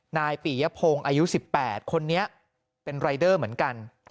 นายปียพงศ์อายุ๑๘คนนี้เป็นรายเดอร์เหมือนกัน